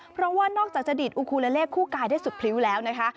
เพราะว่านอกจากจะดีดอูคูลาเลขคู่กายได้สุดพริ้วแล้วนะคะ